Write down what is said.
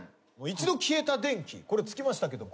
一度消えた電気これつきましたけど。